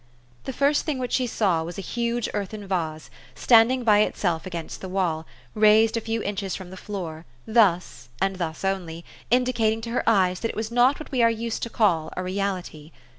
The first thing which she saw was a huge earthen vase, standing by itself against the wall, raised a few inches from the floor, thus, and thus only, indi cating to her eyes that it was not what we are used to call a reality.